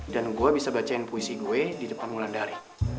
dan gue bisa bacain puisi gue di depan mulan dari